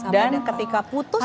dan ketika putus tuh